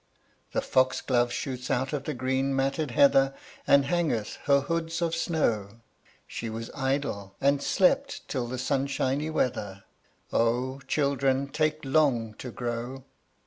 The foxglove shoots out of the green matted heather, And hangeth her hoods of snow; She was idle, and slept till the sunshiny weather: O, children take long to grow.